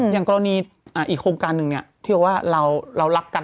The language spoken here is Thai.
อย่างกรณีอีกโครงการหนึ่งที่บอกว่าเรารักกัน